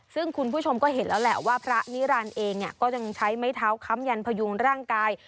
ซึ่งคุณผู้ชมก็เห็นแล้วแหละว่าพระนิรันดิ์เองก็ยังใช้ไม้เท้าค้ำยันพยุงร่างกาย